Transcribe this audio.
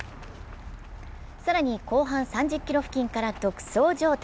更に後半３０ｋｍ付近から独走状態。